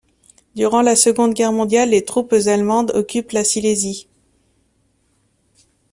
Durant la Seconde Guerre mondiale, les troupes allemandes occupent la Silésie.